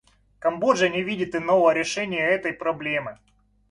Камбоджа не видит иного решения этой проблемы.